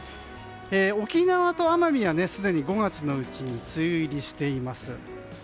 沖縄と奄美はすでに５月のうちに梅雨入りしています。